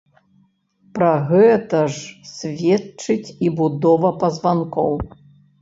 Пра гэта ж сведчыць і будова пазванкоў.